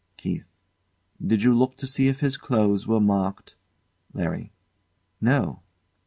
KEITH. Did you look to see if his clothes were marked? LARRY. No.